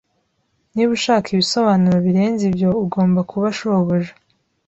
Niba ushaka ibisobanuro birenze ibyo, ugomba kubaza shobuja